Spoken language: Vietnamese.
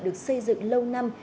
được xây dựng lâu năm